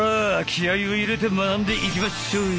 気合いを入れて学んでいきまっしょい！